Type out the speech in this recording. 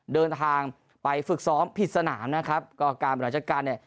เดินทางไปฝึกซ้อมผิดสนามนะครับก็การบริหารจัดการเนี่ย